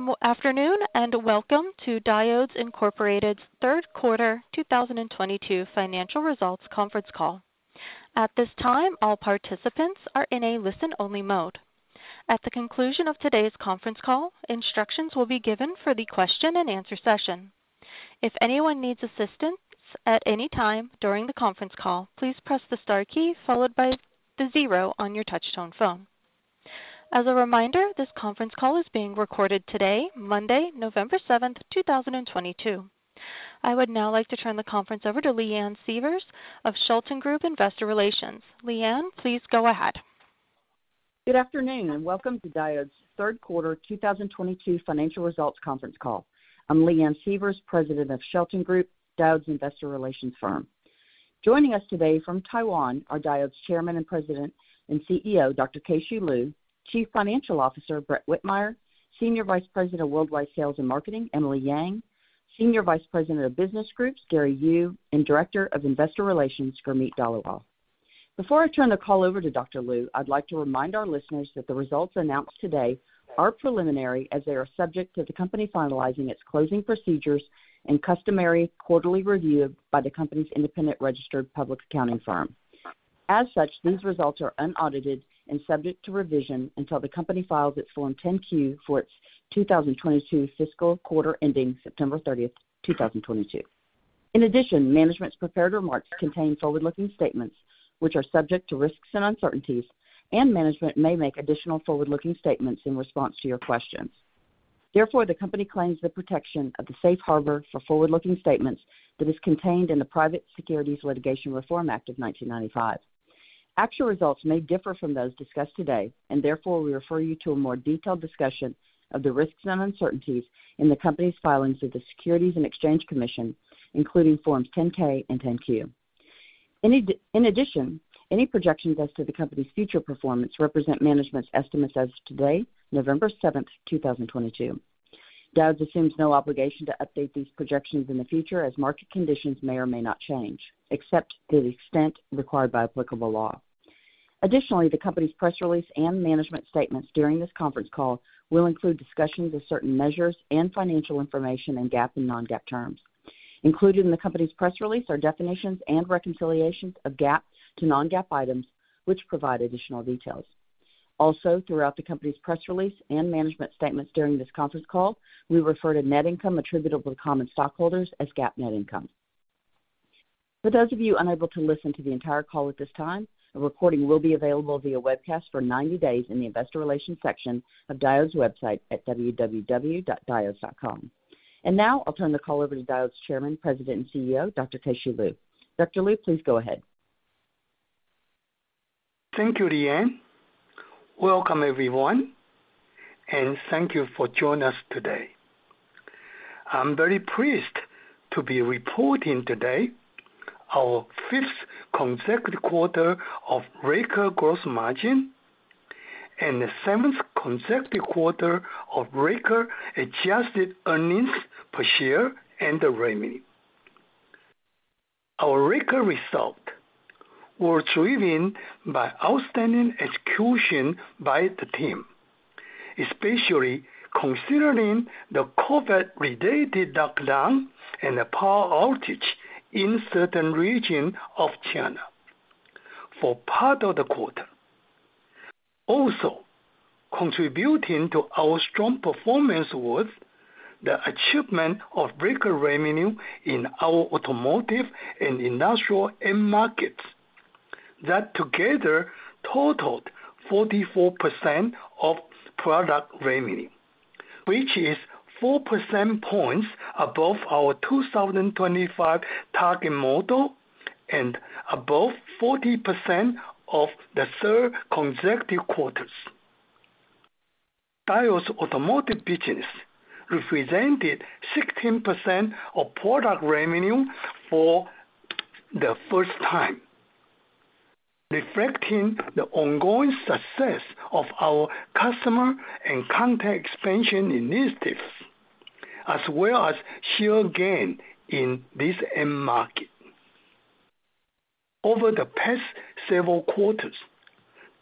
Good afternoon. Welcome to Diodes Incorporated third quarter 2022 financial results conference call. At this time, all participants are in a listen-only mode. At the conclusion of today's conference call, instructions will be given for the question and answer session. If anyone needs assistance at any time during the conference call, please press the star key followed by the zero on your touch-tone phone. As a reminder, this conference call is being recorded today, Monday, November seventh, 2022. I would now like to turn the conference over to Leanne Sievers of Shelton Group Investor Relations. Leanne, please go ahead. Good afternoon. Welcome to Diodes third quarter 2022 financial results conference call. I'm Leanne Sievers, President of Shelton Group, Diodes investor relations firm. Joining us today from Taiwan are Diodes Chairman and President and CEO, Dr. Keh-Shew Lu, Chief Financial Officer, Brett Whitmire, Senior Vice President of Worldwide Sales and Marketing, Emily Yang, Senior Vice President of Business Groups, Gary Yu, and Director of Investor Relations, Gurmeet Dhaliwal. Before I turn the call over to Dr. Lu, I'd like to remind our listeners that the results announced today are preliminary as they are subject to the company finalizing its closing procedures and customary quarterly review by the company's independent registered public accounting firm. As such, these results are unaudited and subject to revision until the company files its Form 10-Q for its 2022 fiscal quarter ending September thirtieth, 2022. Management's prepared remarks contain forward-looking statements which are subject to risks and uncertainties, and management may make additional forward-looking statements in response to your questions. The company claims the protection of the safe harbor for forward-looking statements that is contained in the Private Securities Litigation Reform Act of 1995. Actual results may differ from those discussed today, and therefore, we refer you to a more detailed discussion of the risks and uncertainties in the company's filings with the Securities and Exchange Commission, including Forms 10-K and 10-Q. Any projections as to the company's future performance represent management's estimates as of today, November seventh, 2022. Diodes assumes no obligation to update these projections in the future as market conditions may or may not change, except to the extent required by applicable law. The company's press release and management statements during this conference call will include discussions of certain measures and financial information in GAAP and non-GAAP terms. Included in the company's press release are definitions and reconciliations of GAAP to non-GAAP items, which provide additional details. Throughout the company's press release and management statements during this conference call, we refer to net income attributable to common stockholders as GAAP net income. For those of you unable to listen to the entire call at this time, a recording will be available via webcast for 90 days in the investor relations section of Diodes website at www.diodes.com. Now, I'll turn the call over to Diodes Chairman, President, and CEO, Dr. Keh-Shew Lu. Dr. Lu, please go ahead. Thank you, Leanne. Welcome everyone, and thank you for joining us today. I'm very pleased to be reporting today our fifth consecutive quarter of record gross margin and the seventh consecutive quarter of record adjusted earnings per share and the revenue. Our record result were driven by outstanding execution by the team, especially considering the COVID related lockdown and the power outage in certain regions of China for part of the quarter. Also, contributing to our strong performance was the achievement of record revenue in our automotive and industrial end markets that together totaled 44% of product revenue, which is 4 percentage points above our 2025 target model and above 40% of the third consecutive quarters. Diodes automotive business represented 16% of product revenue for the first time, reflecting the ongoing success of our customer and contact expansion initiatives, as well as share gain in this end market. Over the past several quarters,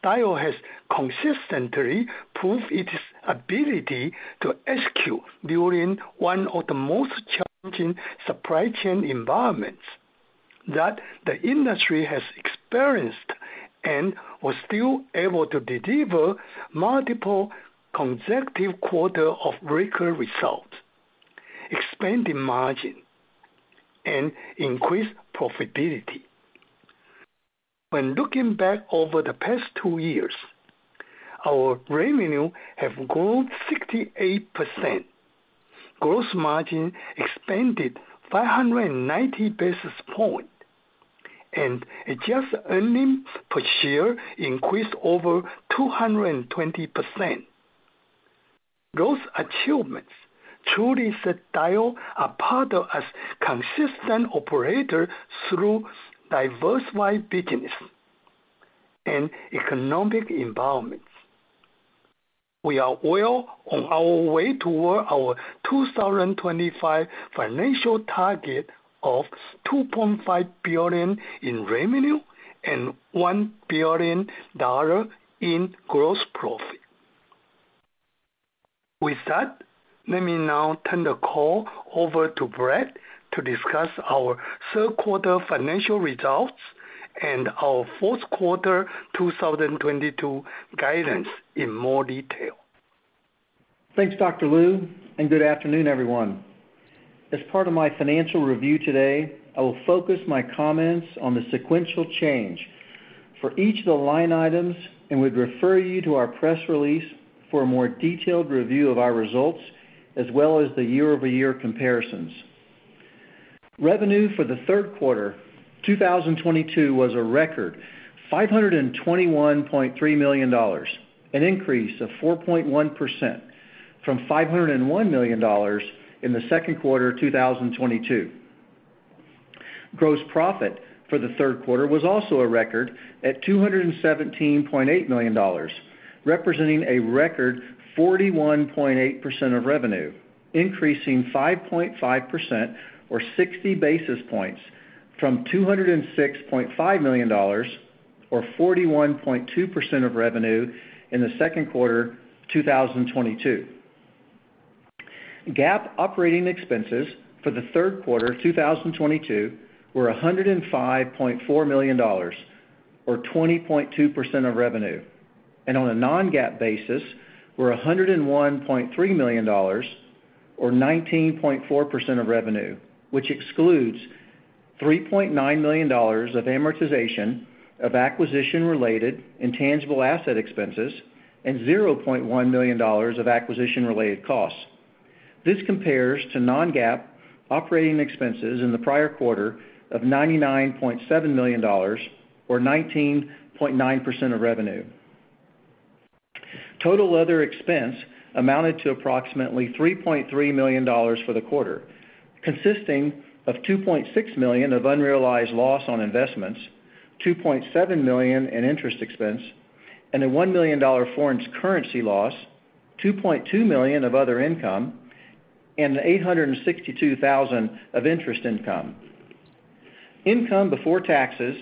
Diodes has consistently proved its ability to execute during one of the most challenging supply chain environments that the industry has experienced and was still able to deliver multiple consecutive quarter of record results, expanding margin and increase profitability. When looking back over the past two years, our revenue have grown 68%, gross margin expanded 590 basis points, and adjusted earnings per share increased over 220%. Those achievements truly set Diodes apart as consistent operator through diversified business and economic environments. We are well on our way toward our 2025 financial target of $2.5 billion in revenue and $1 billion in gross profit. With that, let me now turn the call over to Brett to discuss our third quarter financial results and our fourth quarter 2022 guidance in more detail. Thanks, Dr. Lu, and good afternoon, everyone. As part of my financial review today, I will focus my comments on the sequential change for each of the line items and would refer you to our press release for a more detailed review of our results as well as the year-over-year comparisons. Revenue for the third quarter 2022 was a record $521.3 million, an increase of 4.1% from $501 million in the second quarter of 2022. Gross profit for the third quarter was also a record at $217.8 million, representing a record 41.8% of revenue, increasing 5.5% or 60 basis points from $206.5 million, or 41.2% of revenue in the second quarter 2022. GAAP operating expenses for the third quarter 2022 were $105.4 million, or 20.2% of revenue, and on a non-GAAP basis were $101.3 million or 19.4% of revenue, which excludes $3.9 million of amortization of acquisition-related intangible asset expenses and $0.1 million of acquisition-related costs. This compares to non-GAAP operating expenses in the prior quarter of $99.7 million, or 19.9% of revenue. Total other expense amounted to approximately $3.3 million for the quarter, consisting of $2.6 million of unrealized loss on investments, $2.7 million in interest expense, and a $1 million foreign currency loss, $2.2 million of other income, and $862,000 of interest income. Income before taxes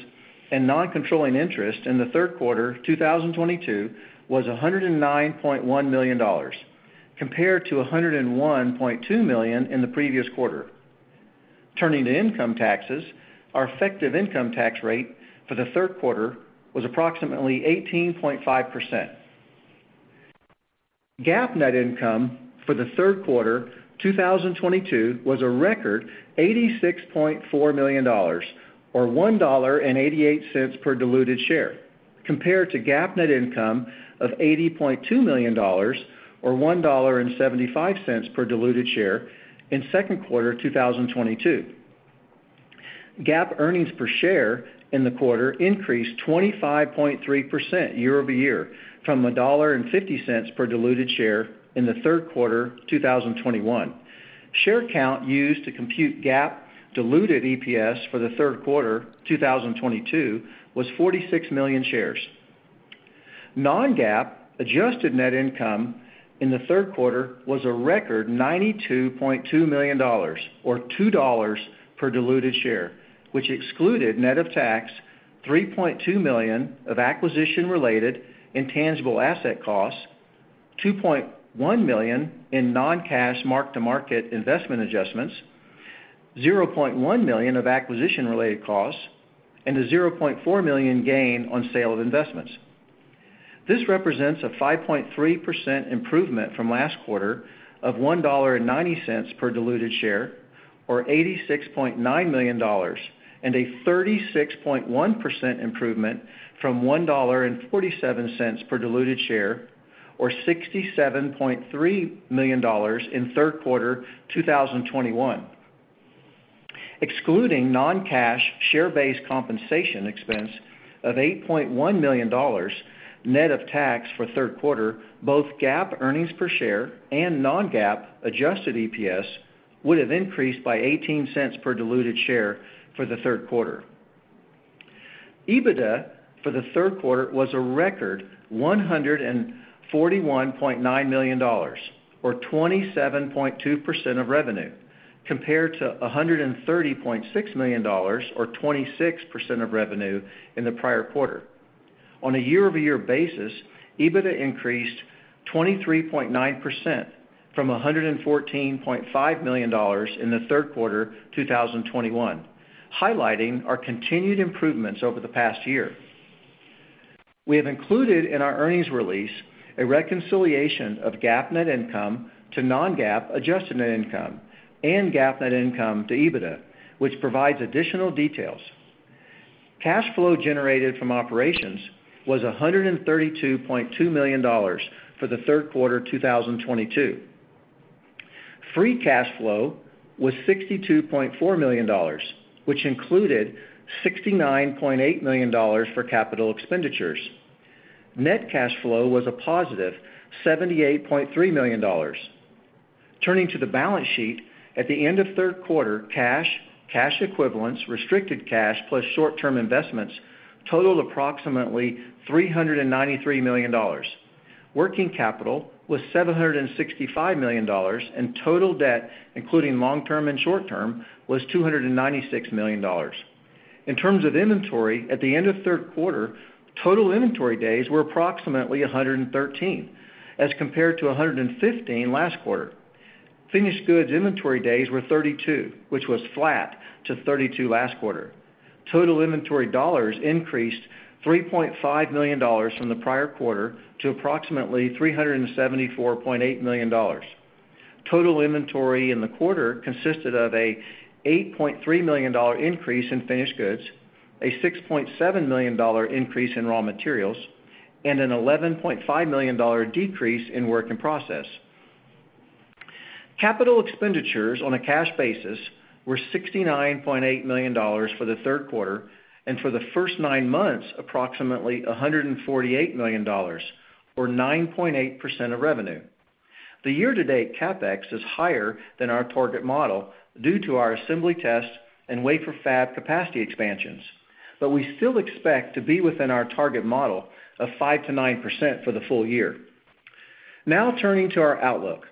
and non-controlling interest in the third quarter 2022 was $109.1 million, compared to $101.2 million in the previous quarter. Turning to income taxes, our effective income tax rate for the third quarter was approximately 18.5%. GAAP net income for the third quarter 2022 was a record $86.4 million, or $1.88 per diluted share, compared to GAAP net income of $80.2 million or $1.75 per diluted share in second quarter 2022. GAAP earnings per share in the quarter increased 25.3% year-over-year from $1.50 per diluted share in the third quarter 2021. Share count used to compute GAAP diluted EPS for the third quarter 2022 was 46 million shares. Non-GAAP adjusted net income in the third quarter was a record $92.2 million, or $2 per diluted share, which excluded net of tax $3.2 million of acquisition-related intangible asset costs, $2.1 million in non-cash mark-to-market investment adjustments, $0.1 million of acquisition-related costs, and a $0.4 million gain on sale of investments. This represents a 5.3% improvement from last quarter of $1.90 per diluted share, or $86.9 million, and a 36.1% improvement from $1.47 per diluted share, or $67.3 million in third quarter 2021. Excluding non-cash share-based compensation expense of $8.1 million net of tax for third quarter, both GAAP earnings per share and non-GAAP adjusted EPS would have increased by $0.18 per diluted share for the third quarter. EBITDA for the third quarter was a record $141.9 million, or 27.2% of revenue, compared to $130.6 million, or 26% of revenue in the prior quarter. On a year-over-year basis, EBITDA increased 23.9% from $114.5 million in the third quarter 2021, highlighting our continued improvements over the past year. We have included in our earnings release a reconciliation of GAAP net income to non-GAAP adjusted net income and GAAP net income to EBITDA, which provides additional details. Cash flow generated from operations was $132.2 million for the third quarter 2022. Free cash flow was $62.4 million, which included $69.8 million for capital expenditures. Net cash flow was a positive $78.3 million. Turning to the balance sheet, at the end of third quarter, cash equivalents, restricted cash, plus short-term investments totaled approximately $393 million. Working capital was $765 million, and total debt, including long-term and short-term, was $296 million. In terms of inventory, at the end of third quarter, total inventory days were approximately 113 as compared to 115 last quarter. Finished goods inventory days were 32, which was flat to 32 last quarter. Total inventory dollars increased $3.5 million from the prior quarter to approximately $374.8 million. Total inventory in the quarter consisted of a $8.3 million increase in finished goods, a $6.7 million increase in raw materials, and an $11.5 million decrease in work in process. Capital expenditures on a cash basis were $69.8 million for the third quarter, and for the first nine months, approximately $148 million, or 9.8% of revenue. The year-to-date CapEx is higher than our target model due to our assembly test and wafer fab capacity expansions. We still expect to be within our target model of 5%-9% for the full year. Now, turning to our outlook.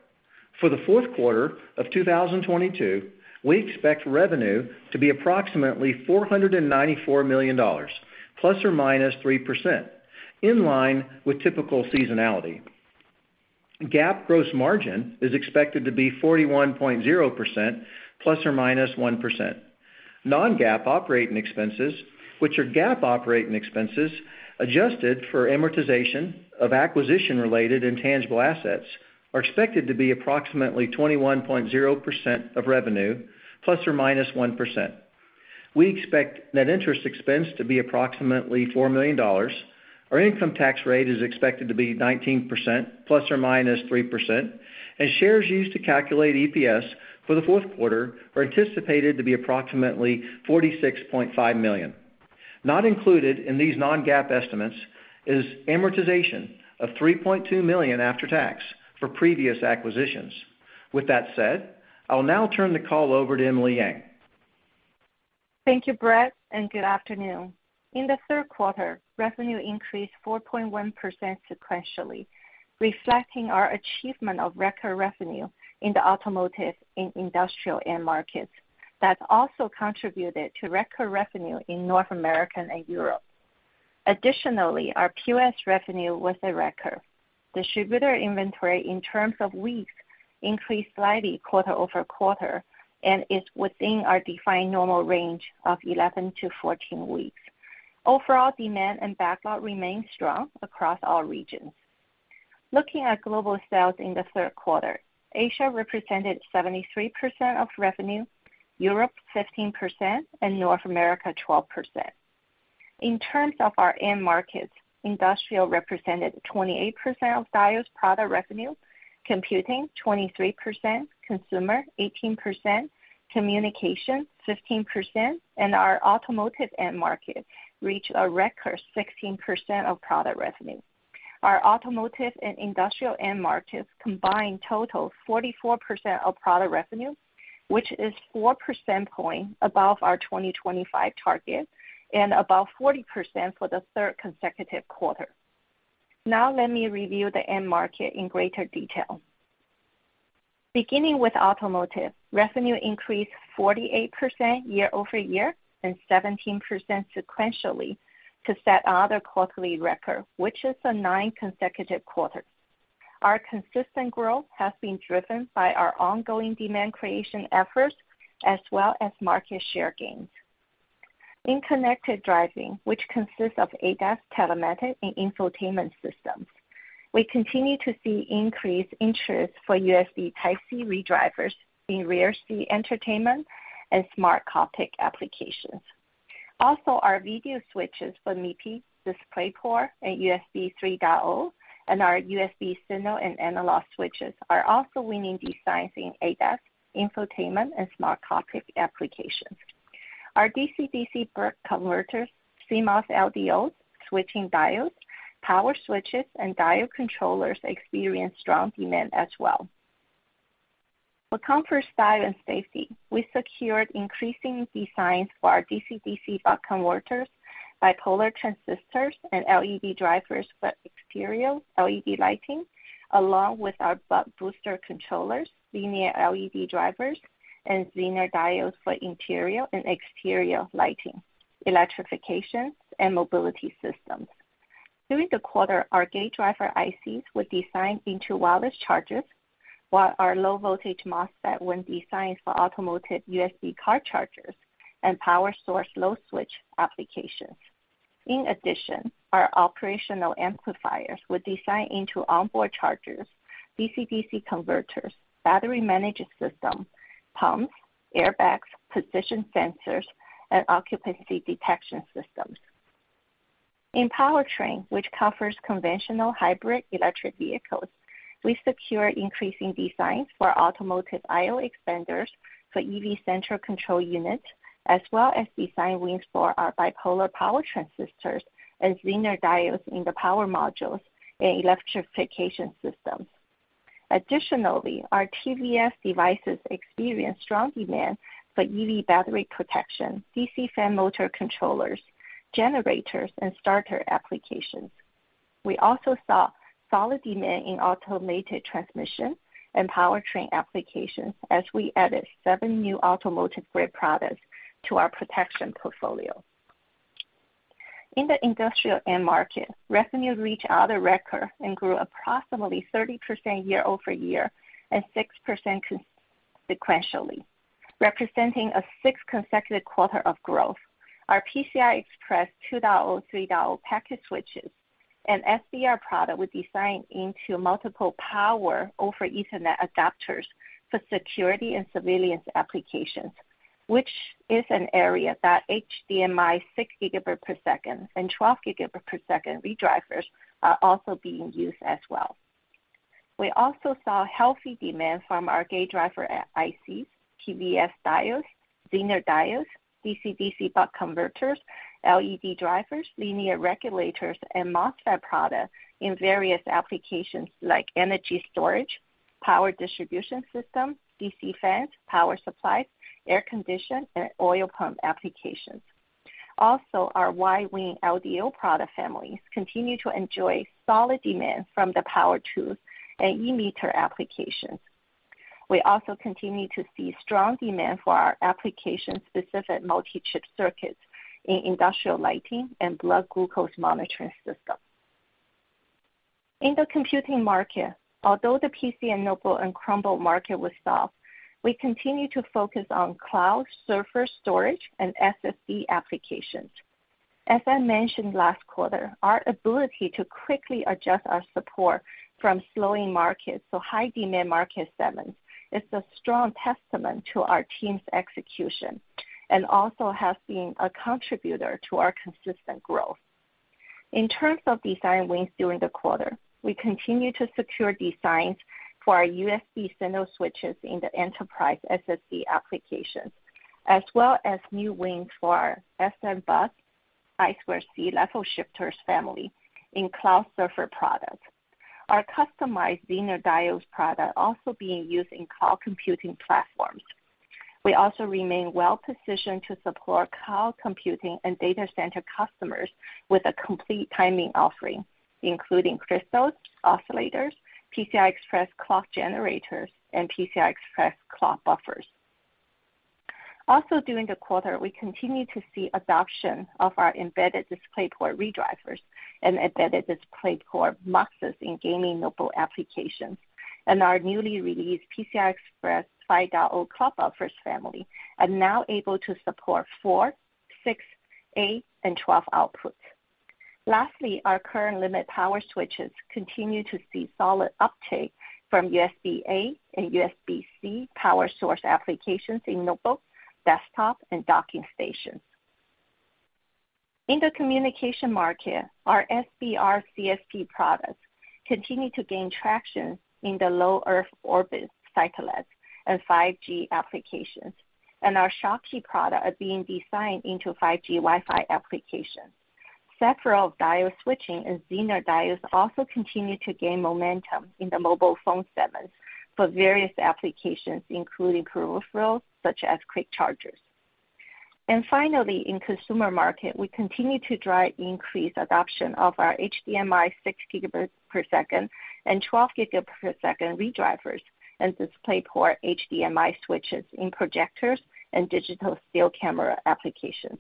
For the fourth quarter of 2022, we expect revenue to be approximately $494 million, ±3%, in line with typical seasonality. GAAP gross margin is expected to be 41.0%, ±1%. Non-GAAP operating expenses, which are GAAP operating expenses adjusted for amortization of acquisition-related intangible assets, are expected to be approximately 21.0% of revenue, ±1%. We expect net interest expense to be approximately $4 million. Our income tax rate is expected to be 19%, ±3%, and shares used to calculate EPS for the fourth quarter are anticipated to be approximately 46.5 million. Not included in these non-GAAP estimates is amortization of $3.2 million after tax for previous acquisitions. With that said, I will now turn the call over to Emily Yang. Thank you, Brett, and good afternoon. In the third quarter, revenue increased 4.1% sequentially, reflecting our achievement of record revenue in the automotive and industrial end markets. That also contributed to record revenue in North America and Europe. Additionally, our POS revenue was a record. Distributor inventory in terms of weeks increased slightly quarter-over-quarter and is within our defined normal range of 11-14 weeks. Overall demand and backlog remain strong across all regions. Looking at global sales in the third quarter, Asia represented 73% of revenue, Europe 15%, and North America 12%. In terms of our end markets, industrial represented 28% of Diodes product revenue, computing 23%, consumer 18%, communication 15%, and our automotive end market reached a record 16% of product revenue. Our automotive and industrial end markets combined total 44% of product revenue, which is 4% point above our 2025 target and above 40% for the third consecutive quarter. Now let me review the end market in greater detail. Beginning with automotive, revenue increased 48% year-over-year and 17% sequentially to set another quarterly record, which is the ninth consecutive quarter. Our consistent growth has been driven by our ongoing demand creation efforts as well as market share gains. In connected driving, which consists of ADAS, telematics, and infotainment systems, we continue to see increased interest for USB Type-C ReDrivers in rear seat entertainment and smart cockpit applications. Also, our video switches for MIPI, DisplayPort, and USB 3.0, and our USB signal and analog switches are also winning designs in ADAS, infotainment, and smart cockpit applications. Our DC-DC buck converters, CMOS LDOs, switching diodes, power switches, and diode controllers experienced strong demand as well. For comfort, style, and safety, we secured increasing designs for our DC-DC buck converters, bipolar transistors, and LED drivers for exterior LED lighting, along with our buck-boost controllers, linear LED drivers, and Zener diodes for interior and exterior lighting, electrifications, and mobility systems. During the quarter, our gate driver ICs were designed into wireless chargers, while our low-voltage MOSFET were designed for automotive USB car chargers and power source load switch applications. In addition, our operational amplifiers were designed into onboard chargers, DC-DC converters, battery management system, pumps, airbags, position sensors, and occupancy detection systems. In powertrain, which covers conventional hybrid electric vehicles, we secured increasing designs for automotive I/O expanders for EV central control unit, as well as design wins for our bipolar power transistors and Zener diodes in the power modules and electrification systems. Additionally, our TVS devices experienced strong demand for EV battery protection, DC fan motor controllers, generators, and starter applications. We also saw solid demand in automated transmission and powertrain applications as we added seven new automotive-grade products to our protection portfolio. In the industrial end market, revenue reached another record and grew approximately 30% year-over-year and 6% sequentially, representing a sixth consecutive quarter of growth. Our PCI Express 2.0, 3.0 packet switches and SBR product was designed into multiple Power over Ethernet adapters for security and surveillance applications, which is an area that HDMI 6 gigabit per second and 12 gigabit per second ReDrivers are also being used as well. We also saw healthy demand from our gate driver ICs, TVS diodes, Zener diodes, DC-DC buck converters, LED drivers, linear regulators, and MOSFET products in various applications like energy storage, power distribution systems, DC fans, power supplies, air condition, and oil pump applications. Also, our wide-VIN LDO product families continue to enjoy solid demand from the power tools and e-meter applications. We also continue to see strong demand for our application-specific multi-chip circuits in industrial lighting and blood glucose monitoring systems. In the computing market, although the PC and notebook and Chromebook market was soft, we continue to focus on cloud server storage and SSD applications. As I mentioned last quarter, our ability to quickly adjust our support from slowing markets to high-demand market segments is a strong testament to our team's execution, and also has been a contributor to our consistent growth. In terms of design wins during the quarter, we continue to secure designs for our USB signal switches in the enterprise SSD applications, as well as new wins for our SMBus I2C level shifters family in cloud server products. Our customized Zener diodes product also being used in cloud computing platforms. We also remain well-positioned to support cloud computing and data center customers with a complete timing offering, including crystals, oscillators, PCI Express clock generators, and PCI Express clock buffers. During the quarter, we continued to see adoption of our Embedded DisplayPort ReDrivers and Embedded DisplayPort muxes in gaming notebook applications. Our newly released PCI Express 5.0 clock buffers family are now able to support four, six, eight, and 12 outputs. Lastly, our current limit power switches continue to see solid uptake from USB-A and USB-C power source applications in notebooks, desktops, and docking stations. In the communication market, our SBR CSP products continue to gain traction in the low Earth orbit satellites and 5G applications. Our Schottky products are being designed into 5G Wi-Fi applications. Several switching diodes and Zener diodes also continue to gain momentum in the mobile phone segments for various applications, including peripherals such as quick chargers. Finally, in consumer market, we continue to drive increased adoption of our HDMI 6 gigabit per second and 12 gigabits per second ReDrivers and DisplayPort HDMI switches in projectors and digital still camera applications.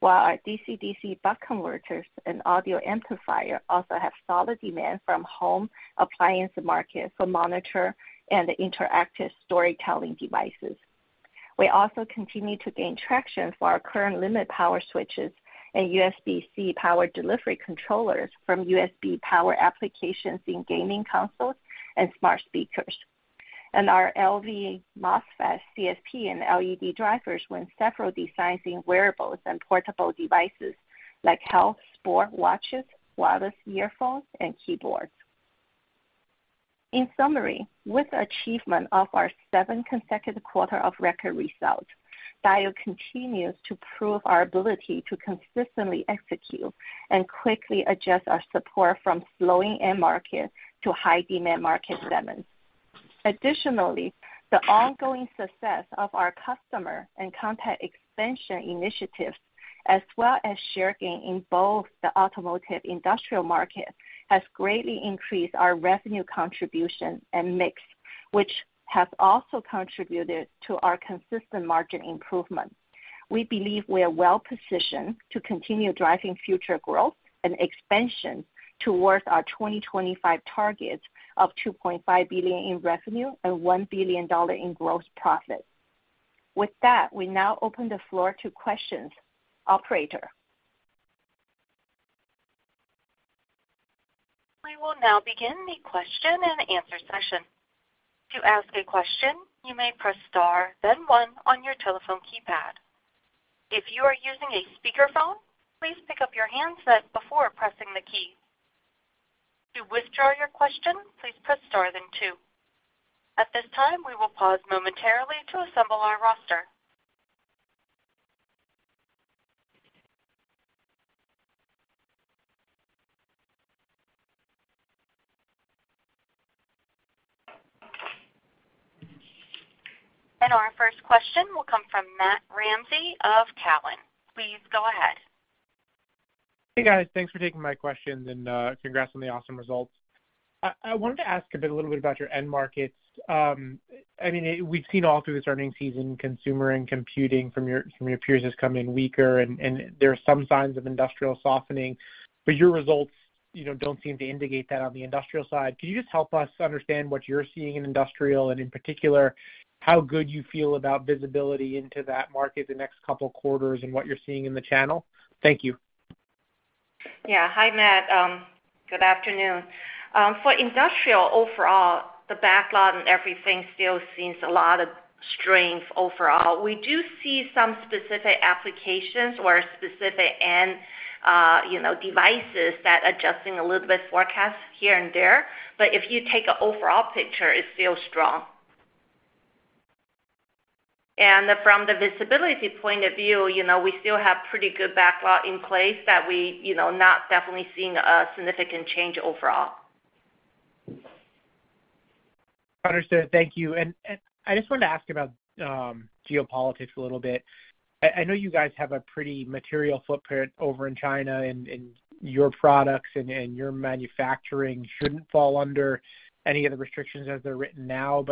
While our DC-DC buck converters and audio amplifier also have solid demand from home appliance markets for monitor and interactive storytelling devices. We also continue to gain traction for our current limit power switches and USB-C power delivery controllers from USB power applications in gaming consoles and smart speakers. Our LV MOSFET CSP and LED drivers won several designs in wearables and portable devices like health, sport watches, wireless earphones, and keyboards. In summary, with the achievement of our seventh consecutive quarter of record results, Diodes continues to prove our ability to consistently execute and quickly adjust our support from slowing end markets to high-demand market segments. Additionally, the ongoing success of our customer and content expansion initiatives as well as share gain in both the automotive industrial market has greatly increased our revenue contribution and mix, which has also contributed to our consistent margin improvement. We believe we are well-positioned to continue driving future growth and expansion towards our 2025 targets of $2.5 billion in revenue and $1 billion in gross profit. With that, we now open the floor to questions. Operator? We will now begin the question-and-answer session. To ask a question, you may press star then one on your telephone keypad. If you are using a speakerphone, please pick up your handset before pressing the key. To withdraw your question, please press star then two. At this time, we will pause momentarily to assemble our roster. Our first question will come from Matthew Ramsay of Cowen. Please go ahead. Hey, guys. Thanks for taking my question, and congrats on the awesome results. I wanted to ask a little bit about your end markets. We've seen all through this earnings season, consumer and computing from your peers has come in weaker, and there are some signs of industrial softening, but your results don't seem to indicate that on the industrial side. Could you just help us understand what you're seeing in industrial, and in particular, how good you feel about visibility into that market the next couple of quarters and what you're seeing in the channel? Thank you. Yeah. Hi, Matt. Good afternoon. For industrial, overall, the backlog and everything still seems a lot of strength overall. We do see some specific applications or specific end devices that are adjusting a little bit forecast here and there, but if you take an overall picture, it's still strong. From the visibility point of view, we still have pretty good backlog in place that we not definitely seeing a significant change overall. Understood. Thank you. I just wanted to ask about geopolitics a little bit. I know you guys have a pretty material footprint over in China and your products and your manufacturing shouldn't fall under any of the restrictions as they're written now.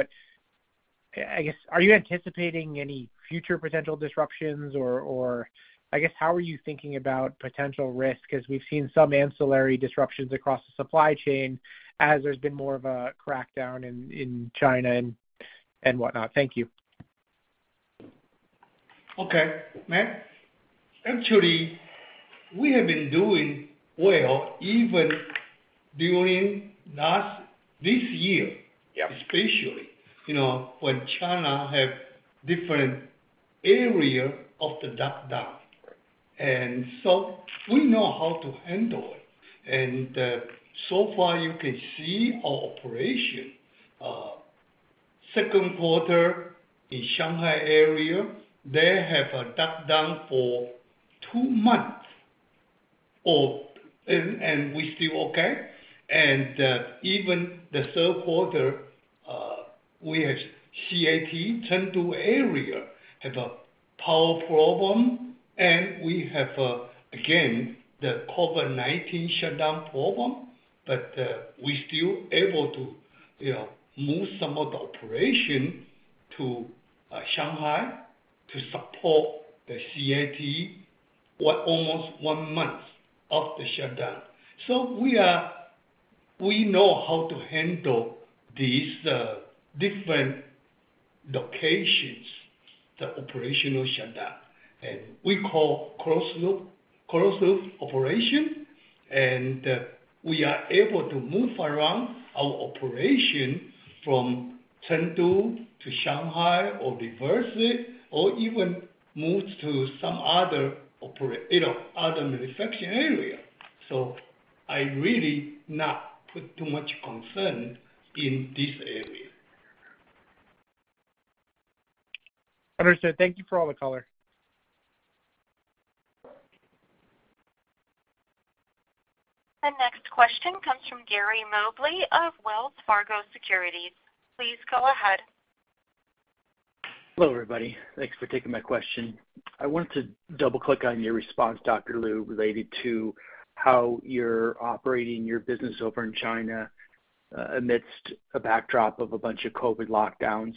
I guess, are you anticipating any future potential disruptions or, I guess, how are you thinking about potential risk? Because we've seen some ancillary disruptions across the supply chain as there's been more of a crackdown in China and whatnot. Thank you. Okay. Matt, actually, we have been doing well even during this year. Yeah. Especially when China have different area of the lockdown. Right. We know how to handle it. So far, you can see our operation. Second quarter in Shanghai area, they have a lockdown for 2 months, and we still okay. Even the third quarter, we have Chengdu area, have a power problem, and we have, again, the COVID-19 shutdown problem, but we still able to move some of the operation to Shanghai to support the Chengdu almost 1 month of the shutdown. We know how to handle these different locations, the operational shutdown. We call closed-loop operation, and we are able to move around our operation from Chengdu to Shanghai or diversity or even moves to some other manufacturing area. I really not put too much concern in this area. Understood. Thank you for all the color. The next question comes from Gary Mobley of Wells Fargo Securities. Please go ahead. Hello, everybody. Thanks for taking my question. I wanted to double-click on your response, Dr. Lu, related to how you're operating your business over in China amidst a backdrop of a bunch of COVID lockdowns.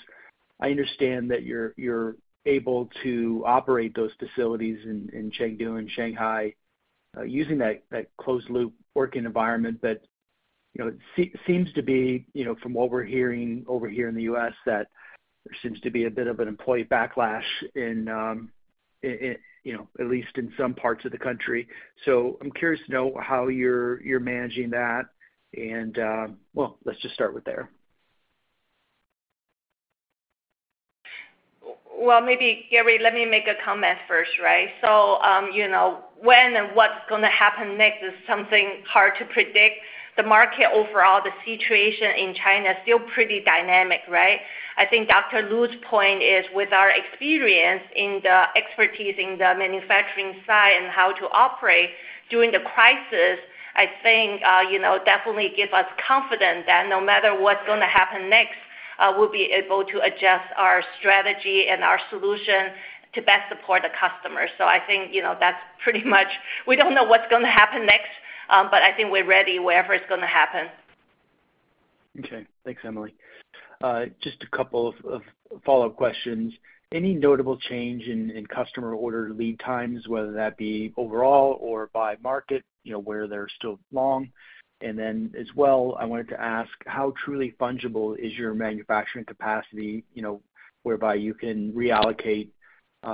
I understand that you're able to operate those facilities in Chengdu and Shanghai using that closed loop working environment that seems to be, from what we're hearing over here in the U.S., that there seems to be a bit of an employee backlash at least in some parts of the country. I'm curious to know how you're managing that and, well, let's just start with there. Well, maybe, Gary, let me make a comment first. When and what's going to happen next is something hard to predict. The market overall, the situation in China, still pretty dynamic. I think Dr. Lu's point is with our experience in the expertise in the manufacturing side and how to operate during the crisis, I think, definitely give us confidence that no matter what's going to happen next, we'll be able to adjust our strategy and our solution to best support the customer. I think that's pretty much. We don't know what's going to happen next, I think we're ready, whatever is going to happen. Okay. Thanks, Emily. Just a couple of follow-up questions. Any notable change in customer order lead times, whether that be overall or by market, where they're still long? As well, I wanted to ask how truly fungible is your manufacturing capacity, whereby you can reallocate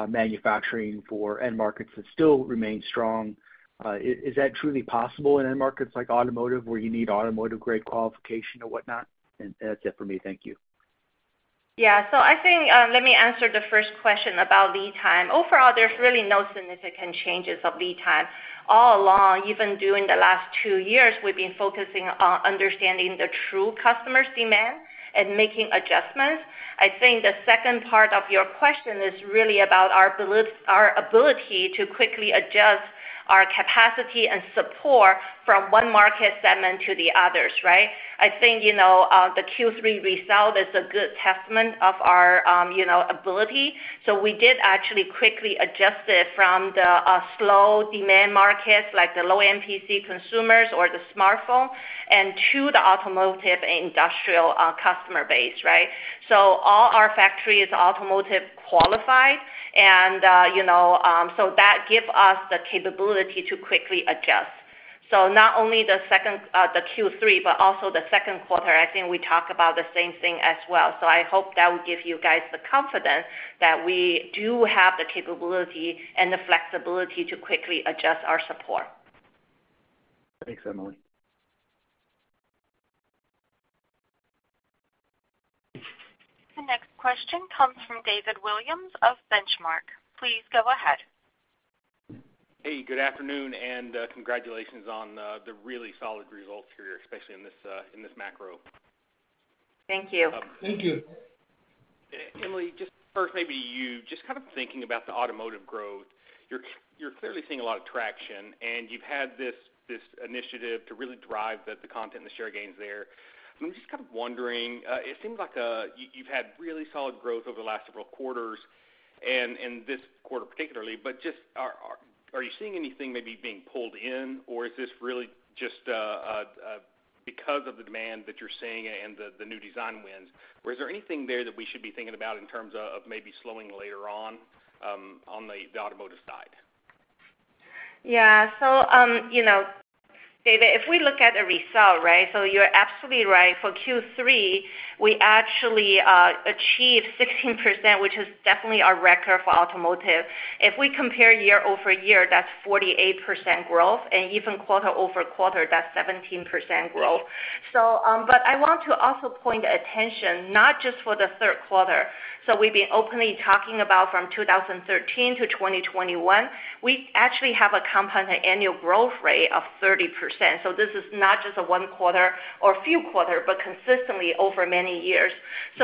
manufacturing for end markets that still remain strong. Is that truly possible in end markets like automotive, where you need automotive-grade qualification or whatnot? That's it for me. Thank you. Yeah. I think, let me answer the first question about lead time. Overall, there's really no significant changes of lead time. All along, even during the last two years, we've been focusing on understanding the true customer's demand and making adjustments. I think the second part of your question is really about our ability to quickly adjust Our capacity and support from one market segment to the others, right? I think, the Q3 result is a good testament of our ability. We did actually quickly adjust it from the slow demand markets, like the low MPC consumers or the smartphone, and to the automotive and industrial customer base, right? All our factory is automotive qualified, that give us the capability to quickly adjust. Not only the Q3, also the second quarter, I think we talk about the same thing as well. I hope that will give you guys the confidence that we do have the capability and the flexibility to quickly adjust our support. Thanks, Emily. The next question comes from David Williams of Benchmark. Please go ahead. Hey, good afternoon, and congratulations on the really solid results here, especially in this macro. Thank you. Thank you. Emily, just first maybe you. Just thinking about the automotive growth, you're clearly seeing a lot of traction, and you've had this initiative to really drive the content and the share gains there. I'm just kind of wondering, it seems like you've had really solid growth over the last several quarters, and this quarter particularly. Just, are you seeing anything maybe being pulled in, or is this really just because of the demand that you're seeing and the new design wins? Is there anything there that we should be thinking about in terms of maybe slowing later on the automotive side? Yeah. David, if we look at the result, right? You're absolutely right. For Q3, we actually achieved 16%, which is definitely a record for automotive. If we compare year-over-year, that's 48% growth, and even quarter-over-quarter, that's 17% growth. I want to also point attention, not just for the third quarter. We've been openly talking about from 2013 to 2021. We actually have a compounded annual growth rate of 30%. This is not just a one quarter or a few quarter, but consistently over many years.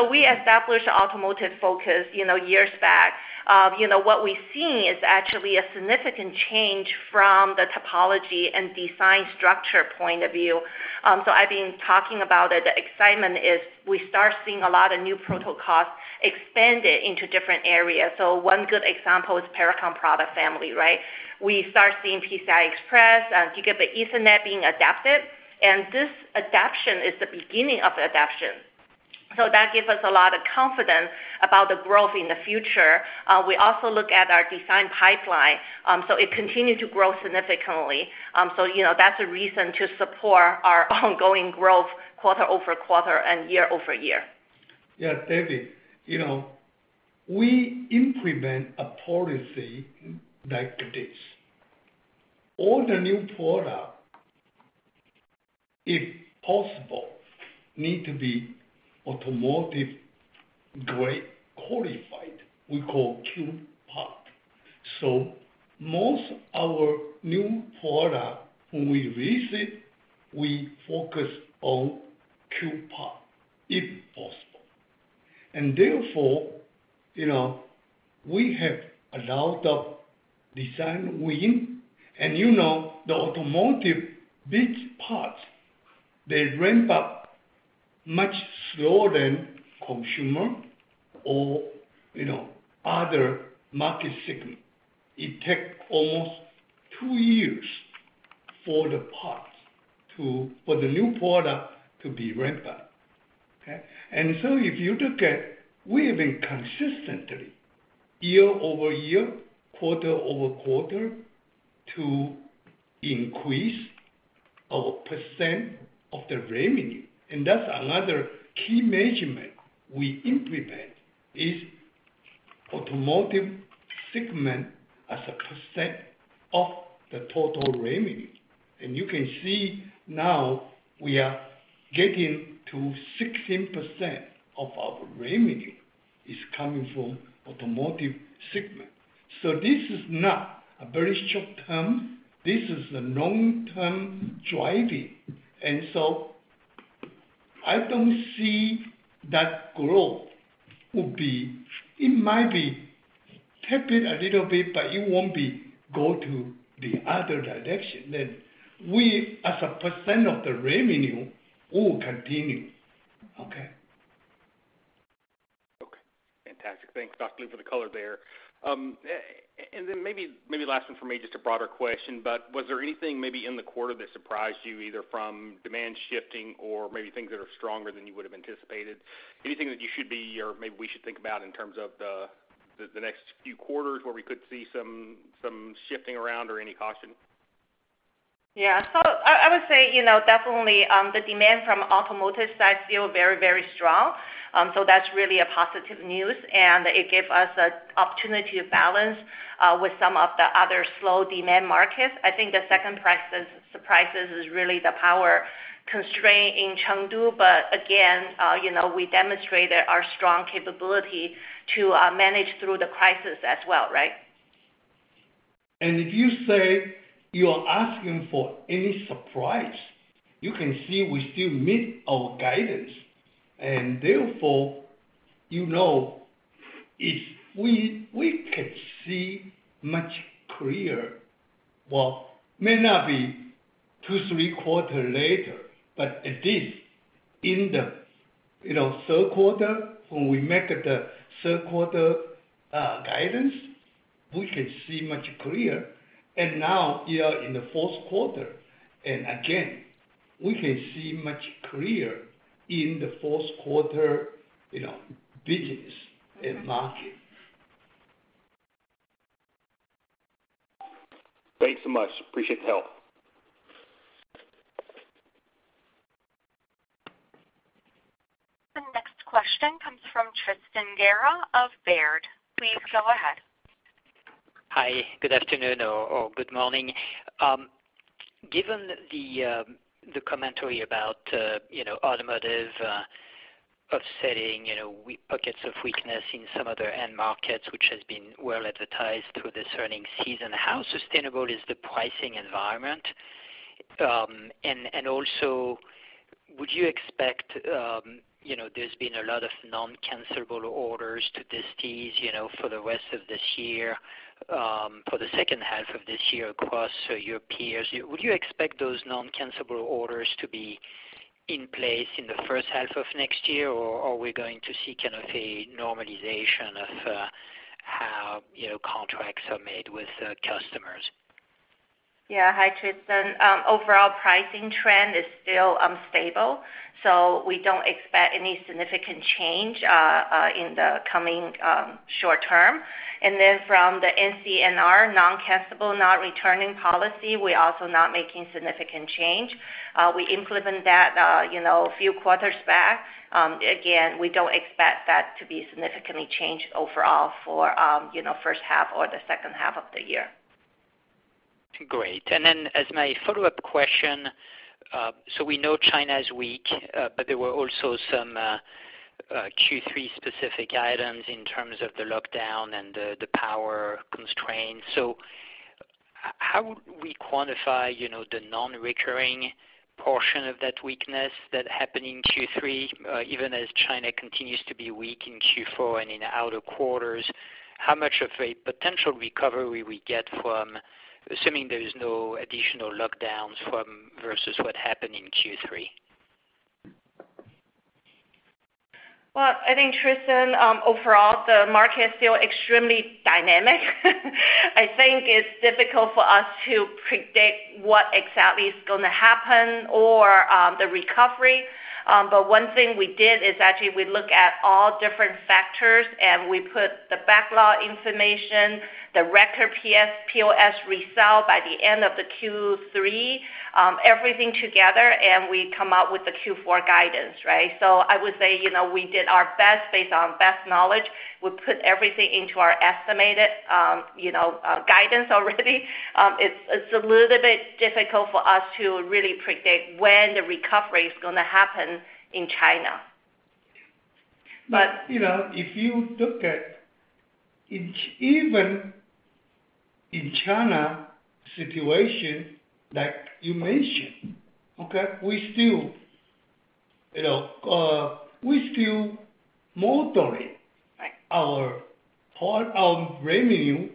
We established automotive focus years back. What we've seen is actually a significant change from the topology and design structure point of view. I've been talking about it. The excitement is we start seeing a lot of new protocols expanded into different areas. One good example is Pericom product family, right? We start seeing PCI Express, Gigabit Ethernet being adapted, and this adaption is the beginning of the adaption. That gives us a lot of confidence about the growth in the future. We also look at our design pipeline. It continued to grow significantly. That's a reason to support our ongoing growth quarter-over-quarter and year-over-year. Yeah, David, we implement a policy like this. All the new product, if possible, need to be automotive grade qualified, we call Q part. Most our new product, when we release it, we focus on Q part, if possible. Therefore, we have a lot of design win. You know the automotive big parts, they ramp up much slower than consumer or other market segment. It take almost 2 years for the parts, for the new product to be ramped up. Okay? If you look at, we have been consistently, year-over-year, quarter-over-quarter, to increase our percent of the revenue. That's another key measurement we implement, is automotive segment as a percent of the total revenue. You can see now we are getting to 16% of our revenue is coming from automotive segment. This is not a very short term. This is a long-term driving. I don't see that growth will be, it might be tepid a little bit, but it won't go to the other direction. We, as a percent of the revenue, will continue. Okay? Okay, fantastic. Thanks, Dr. Lu, for the color there. Maybe last one from me, just a broader question, but was there anything maybe in the quarter that surprised you, either from demand shifting or maybe things that are stronger than you would've anticipated? Anything that you should be, or maybe we should think about in terms of the next few quarters where we could see some shifting around or any caution? Yeah. I would say, definitely, the demand from automotive side feel very strong. That's really a positive news, and it give us a opportunity to balance with some of the other slow demand markets. I think the second surprises is really the power constraint in Chengdu. Again, we demonstrated our strong capability to manage through the crisis as well, right? If you say you are asking for any surprise, you can see we still meet our guidance. Therefore, you know If we can see much clearer, well, may not be two, three quarter later, but at least in the third quarter, when we make the third quarter guidance, we can see much clearer. Now we are in the fourth quarter, and again, we can see much clearer in the fourth quarter business and market. Thanks so much. Appreciate the help. The next question comes from Tristan Gerra of Baird. Please go ahead. Hi. Good afternoon or good morning. Given the commentary about automotive offsetting pockets of weakness in some other end markets, which has been well advertised through this earning season, how sustainable is the pricing environment? Also, there's been a lot of non-cancellable orders to this TS for the rest of this year, for the second half of this year across your peers. Would you expect those non-cancellable orders to be in place in the first half of next year, or are we going to see kind of a normalization of how contracts are made with customers? Yeah. Hi, Tristan. Overall pricing trend is still unstable. We don't expect any significant change in the coming short term. From the NCNR, non-cancellable, not returning policy, we're also not making significant change. We implement that a few quarters back. Again, we don't expect that to be significantly changed overall for first half or the second half of the year. Great. As my follow-up question, we know China is weak, but there were also some Q3 specific items in terms of the lockdown and the power constraints. How would we quantify the non-recurring portion of that weakness that happened in Q3, even as China continues to be weak in Q4 and in outer quarters, how much of a potential recovery we get from assuming there is no additional lockdowns from versus what happened in Q3? Well, I think, Tristan, overall, the market is still extremely dynamic. I think it's difficult for us to predict what exactly is going to happen or the recovery. One thing we did is actually we look at all different factors, and we put the backlog information, the record POS resell by the end of the Q3, everything together, and we come out with the Q4 guidance, right? I would say, we did our best based on best knowledge. We put everything into our estimated guidance already. It's a little bit difficult for us to really predict when the recovery is going to happen in China. If you look at even in China situation like you mentioned, okay, we still moderate- Right our revenue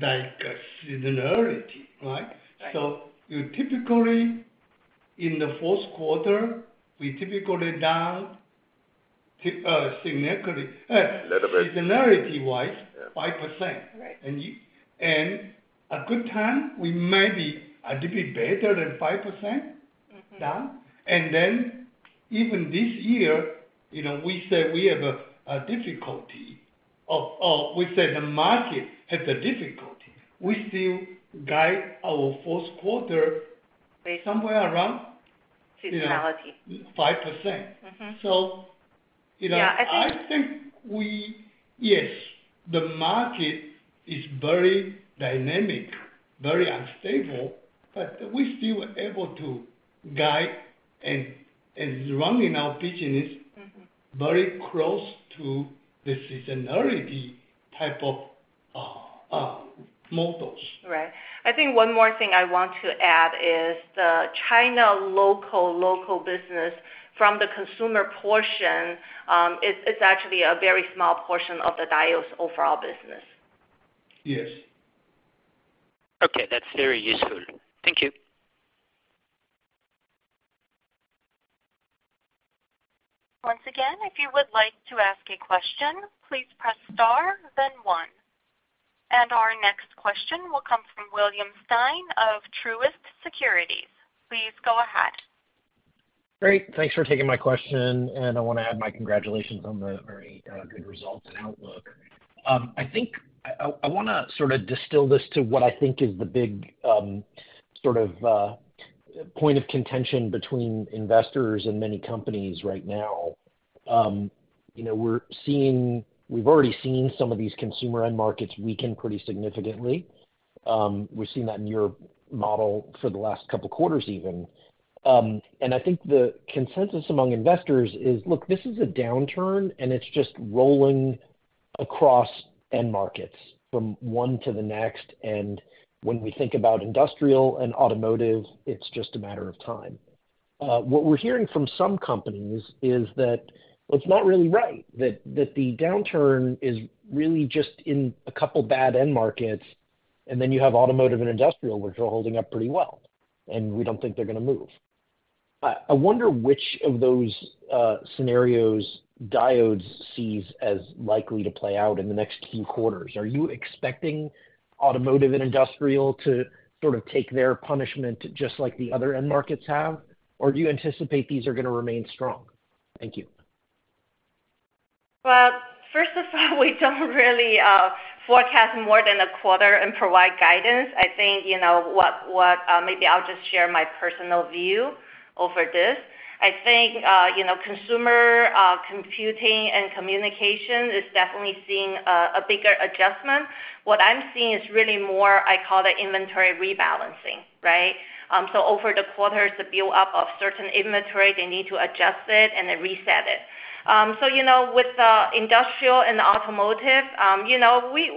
like a seasonality, right? Right. You typically in the fourth quarter, we typically down significantly. Little bit. Seasonality-wise, 5%. Right. A good time, we may be a little bit better than 5% down, and then even this year, we say the market has a difficulty. We still guide our fourth quarter- Based on- somewhere around- Seasonality 5%. I think we, yes, the market is very dynamic, very unstable, but we still able to guide and running our business. very close to the seasonality type of models. Right. I think one more thing I want to add is the China local business from the consumer portion, is actually a very small portion of the Diodes overall business. Yes. Okay. That's very useful. Thank you. Once again, if you would like to ask a question, please press star then one. Our next question will come from William Stein of Truist Securities. Please go ahead. Great. Thanks for taking my question. I want to add my congratulations on the very good results and outlook. I want to sort of distill this to what I think is the big sort of point of contention between investors and many companies right now. We've already seen some of these consumer end markets weaken pretty significantly. We've seen that in your model for the last couple of quarters even. I think the consensus among investors is, look, this is a downturn and it's just rolling across end markets from one to the next. When we think about industrial and automotive, it's just a matter of time. What we're hearing from some companies is that it's not really right, that the downturn is really just in a couple of bad end markets, then you have automotive and industrial, which are holding up pretty well, we don't think they're going to move. I wonder which of those scenarios Diodes sees as likely to play out in the next few quarters. Are you expecting automotive and industrial to take their punishment just like the other end markets have? Or do you anticipate these are going to remain strong? Thank you. Well, first of all, we don't really forecast more than a quarter and provide guidance. I think, maybe I'll just share my personal view over this. I think consumer computing and communication is definitely seeing a bigger adjustment. What I'm seeing is really more, I call it inventory rebalancing, right? Over the quarters, the build-up of certain inventory, they need to adjust it and then reset it. With the industrial and automotive,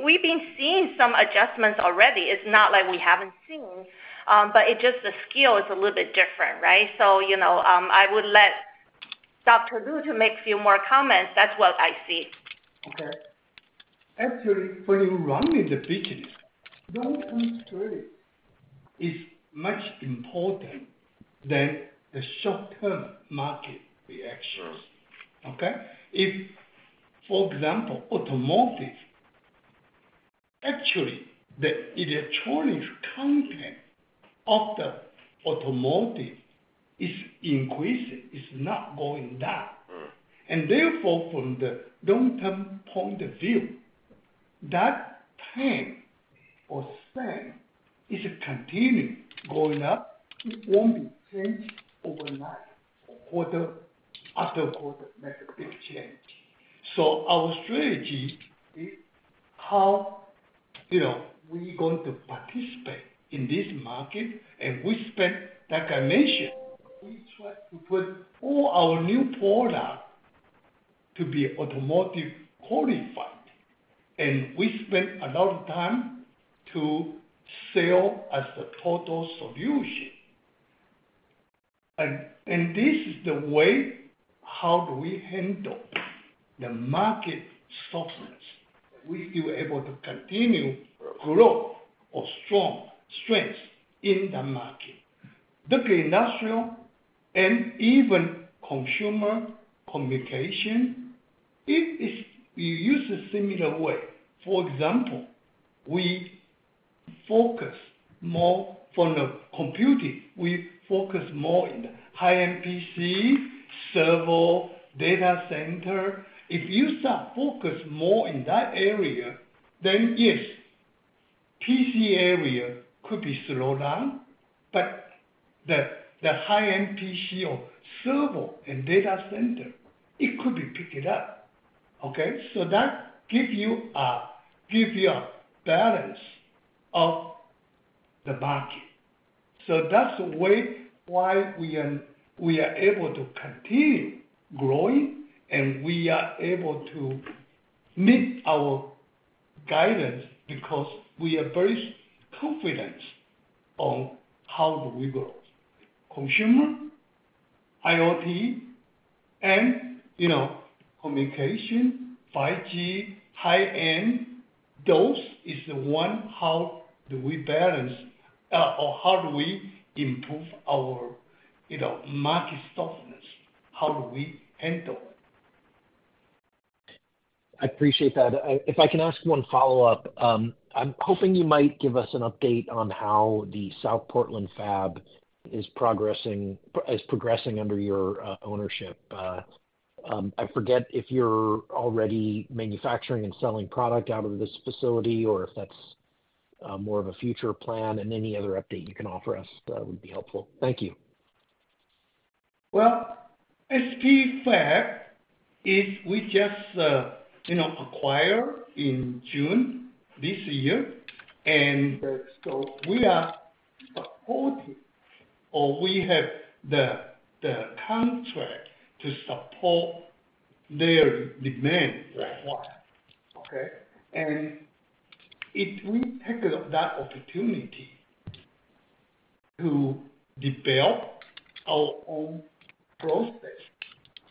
we've been seeing some adjustments already. It's not like we haven't seen, but it's just the scale is a little bit different, right? I would let Dr. Lu to make few more comments. That's what I see. Okay. Actually, when you're running the business, long-term strategy is much important than the short-term market reactions. Sure. For example, automotive, actually, the electronics content of the automotive is increasing, it's not going down. Therefore, from the long-term point of view, that trend or spend is continuing going up. It won't be changed overnight, quarter after quarter, make a big change. Our strategy is how we're going to participate in this market, we spend, like I mentioned, we try to put all our new product to be automotive qualified. We spend a lot of time to sell as a total solution. This is the way, how do we handle the market softness. We will able to continue growth or strong strength in the market. The industrial and even consumer communication, we use a similar way. For example, from the computing, we focus more in the high-end PC, server, data center. If you start focus more in that area, yes, PC area could be slowed down, the high-end PC or server and data center, it could be picked up. Okay? That gives you a balance of the market. That's why we are able to continue growing, and we are able to meet our guidance because we are very confident on how do we grow. Consumer, IoT, and communication, 5G, high-end, those is the one, how do we balance or how do we improve our market softness. How do we handle it. I appreciate that. If I can ask one follow-up. I'm hoping you might give us an update on how the South Portland fab is progressing under your ownership. I forget if you're already manufacturing and selling product out of this facility or if that's more of a future plan, and any other update you can offer us that would be helpful. Thank you. Well, SP Fab, we just acquired in June this year. We are supporting, or we have the contract to support their demand for a while. Right. Okay? We take that opportunity to develop our own process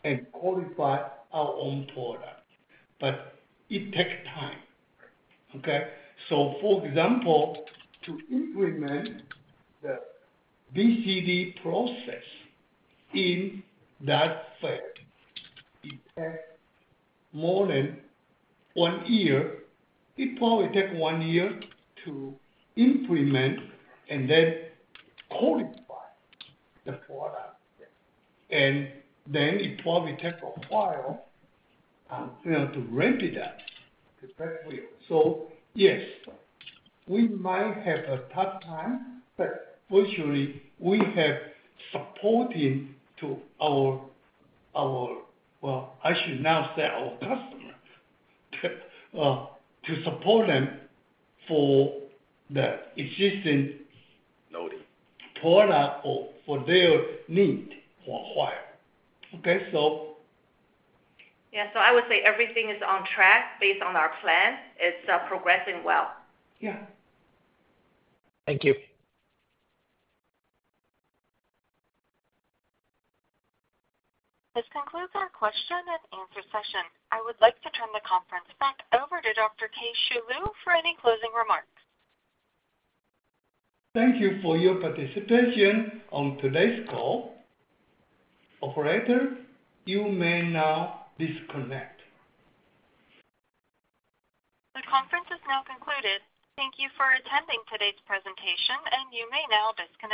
and qualify our own product. It takes time. Right. Okay? For example, to implement the BCD process in that fab, it takes more than one year. It probably take one year to implement and qualify the product. Yes. It probably take a while to ramp it up, because that's real. Yes, we might have a tough time, but virtually, we have supported to our, well I should now say our customer, to support them for the existing- Loading product or for their need for a while. Okay. Yeah, I would say everything is on track based on our plan. It's progressing well. Yeah. Thank you. This concludes our question and answer session. I would like to turn the conference back over to Dr. Keh-Shew Lu for any closing remarks. Thank you for your participation on today's call. Operator, you may now disconnect. The conference is now concluded. Thank you for attending today's presentation, you may now disconnect.